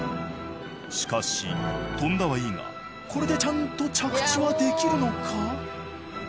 しかし飛んだはいいがこれでちゃんと着地はできるのか？